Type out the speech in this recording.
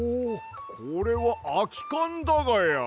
これはあきかんだがや。